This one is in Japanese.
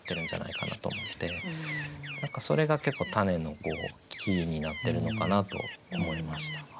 何かそれが結構たねのキーになってるのかなと思いました。